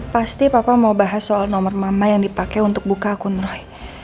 pasti papa mau bahas soal nomor mama yang dipakai untuk buka akun roy